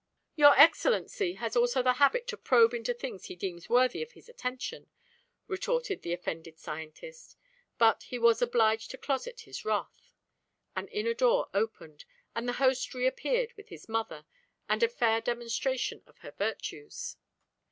"Your excellency has also the habit to probe into things he deems worthy of his attention," retorted the offended scientist; but he was obliged to closet his wrath. An inner door opened and the host reappeared with his mother and a fair demonstration of her virtues.